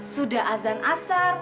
sudah azan asar